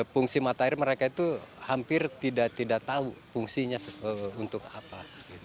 fungsi mata air mereka itu hampir tidak tahu fungsinya untuk apa